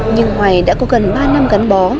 nhưng hoài đã có gần ba năm gắn bó